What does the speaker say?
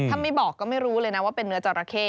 ถ้าไม่บอกก็ไม่รู้เลยนะว่าเป็นเนื้อจราเข้